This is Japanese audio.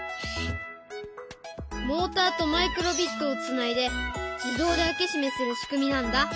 モーターとマイクロビットをつないで自動で開け閉めする仕組みなんだ。